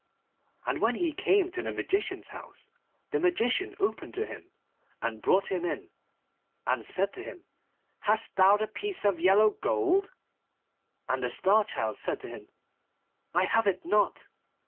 And when he came to the Magician's house, the Magician opened to him, and brought him in, and said to him, 'Hast thou the piece of yellow gold?' And the Star Child said to him, 'I have it not.